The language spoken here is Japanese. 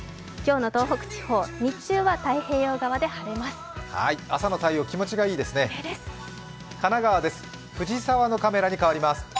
今日の東北地方、日中は太平洋側で晴れます。